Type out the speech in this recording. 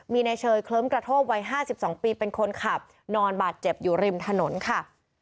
มีนายเชยเคลิ้มกระโทกวัย๕๒ปีเป็นคนขับนอนบาดเจ็บอยู่ริมถนนค่ะ